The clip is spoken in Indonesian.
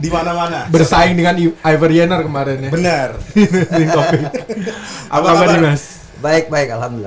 biwana mana bersaing dengan ye iver carrier kemarin ya bener mana apa namanya baik baik alhamdulillah